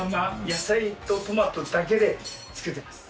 野菜とトマトだけで作ってます。